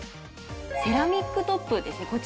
セラミックトップですね。